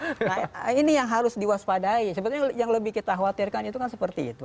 nah ini yang harus diwaspadai sebetulnya yang lebih kita khawatirkan itu kan seperti itu